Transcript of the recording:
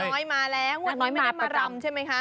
น้อยมาแล้วงวดน้อยไม่ได้มารำใช่ไหมคะ